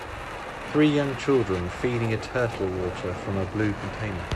Three young children feeding a turtle water from a blue container.